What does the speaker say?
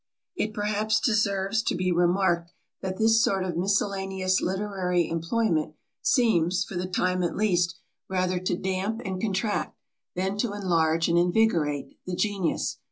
It perhaps deserves to be remarked that this sort of miscellaneous literary employment, seems, for the time at least, rather to damp and contract, than to enlarge and invigorate, the genius.